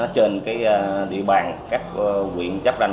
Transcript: trên địa bàn các huyện giáp danh